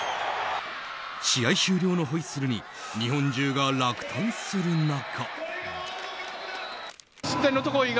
試合終了のホイッスルに日本中が落胆する中。